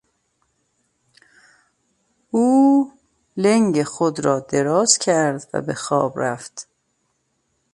او لنگ خود را دراز کرد و بهخواب رفت.